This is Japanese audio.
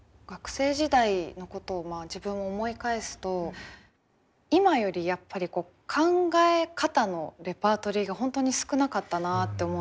学生時代のことを自分も思い返すと今よりやっぱり考え方のレパートリーが本当に少なかったなって思うんですよね。